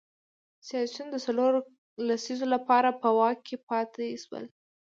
سیاسیون د څلورو لسیزو لپاره په واک کې پاتې شول.